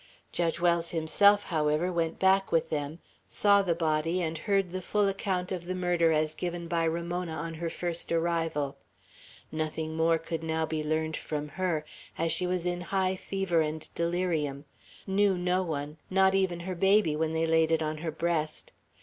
Judge Wells himself, however, went back with them, saw the body, and heard the full account of the murder as given by Ramona on her first arrival. Nothing more could now be learned from her, as she was in high fever and delirium; knew no one, not even her baby when they laid it on her breast.